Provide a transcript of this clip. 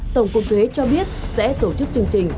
tổng cục thuế cho biết sẽ tổ chức chương trình